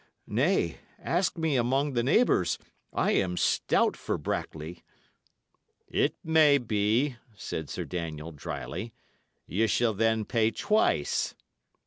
Nay; ask me among the neighbours, I am stout for Brackley." "It may be," said Sir Daniel, dryly. "Ye shall then pay twice."